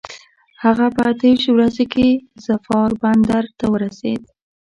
هغه په اته ویشت ورځي کې ظفار بندر ته ورسېد.